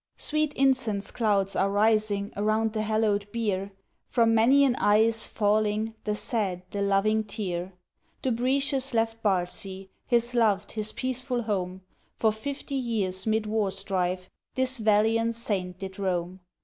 Sweet Incense clouds are rising Around the hallowed bier; From many an eye is falling The sad, the loving tear. Dubritius left Bardsey, His lov'd—his peaceful home, For fifty years mid war strife, This valiant Saint did roam.